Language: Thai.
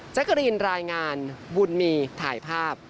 กะรีนรายงานบุญมีถ่ายภาพ